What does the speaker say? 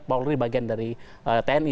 paul ri bagian dari tni